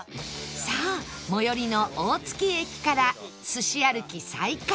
さあ最寄りの大月駅からすし歩き再開